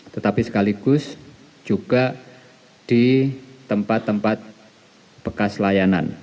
tetapi sekaligus juga di tempat tempat bekas layanan